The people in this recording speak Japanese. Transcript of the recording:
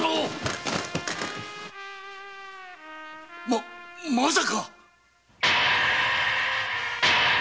ままさか？